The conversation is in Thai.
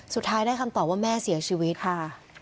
สุดท้ายได้คำตอบว่าแม่เสียชีวิตค่ะ